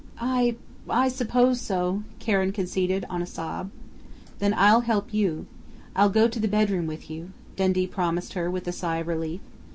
"I I suppose so," Karen conceded, on a sob. "Then I'll help you. I'll go to the bedroom with you," Dundee promised her with a sigh of relief.